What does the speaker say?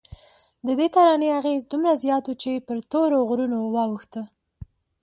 ددې ترانې اغېز دومره زیات و چې پر تورو غرونو واوښته.